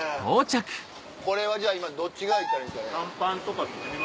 これはじゃあ今どっち側行ったらいいんですかね？